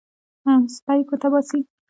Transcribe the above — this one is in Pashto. سپی ګوته باسي.